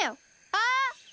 ああ！